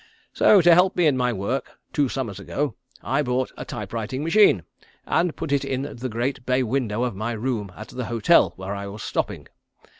So to help me in my work two summers ago I bought a type writing machine, and put it in the great bay window of my room at the hotel where I was stopping.